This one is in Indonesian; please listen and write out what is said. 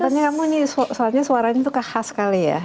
ternyata kamu ini soalnya suaranya tuh khas kali ya